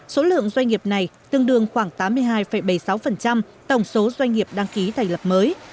số lượng doanh nghiệp này tương đương khoảng tám mươi hai bảy mươi sáu tổng số doanh nghiệp đăng ký thành lập mới